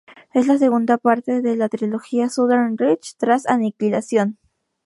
Es la segunda parte de la trilogía "Southern Reach", tras "Aniquilación".